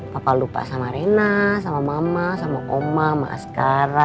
bapak lupa sama riana sama mama sama oma sama askara